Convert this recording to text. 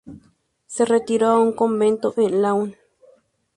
Se retiró a un convento en Laon.